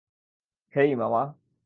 হেই, মামা।